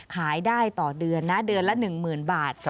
ขายได้ต่อเดือนนะเดือนละ๑๐๐๐บาท